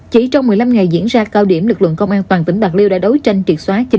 chỉ trong một mươi năm ngày diễn ra cao điểm lực lượng công an toàn tỉnh bạc liêu đã đấu tranh triệt xóa